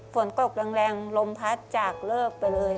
ฝนตกแรงลมพัดจากเลิกไปเลย